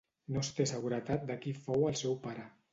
No es té seguretat de qui fou el seu pare.